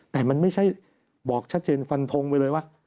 แต่มันไม่ใช่บอกชัดเจนฟันทงไปเลยว่า